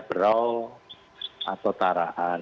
braul atau tarahan